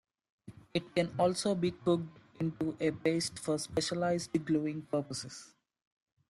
It can also be cooked into a paste for specialised gluing purposes.